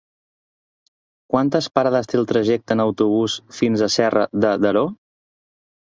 Quantes parades té el trajecte en autobús fins a Serra de Daró?